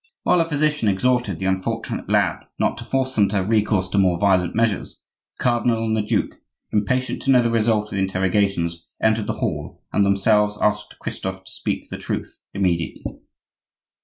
While the physician exhorted the unfortunate lad not to force them to have recourse to more violent measures, the cardinal and the duke, impatient to know the result of the interrogations, entered the hall and themselves asked Christophe to speak the truth, immediately.